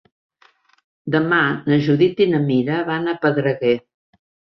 Demà na Judit i na Mira van a Pedreguer.